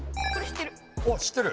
お知ってる？